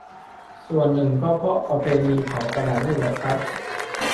ส่วนหนึ่งก็เพราะประเพณีเผากระดาษนี่แหละครับ